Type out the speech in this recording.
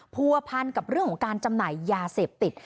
ผัวพันกับเรื่องของการจำหน่ายยาเสพติด